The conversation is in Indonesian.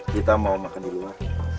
kita mau makan di luar